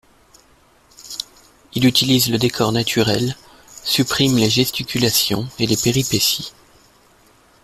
Il utilise le décor naturel, supprime les gesticulations et les péripéties.